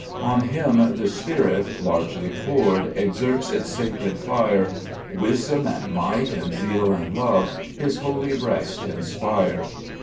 2 On Him the Spirit, largely poured, Exerts its sacred fire ; Wisdom and might, and zeal and love, His holy breast inspire.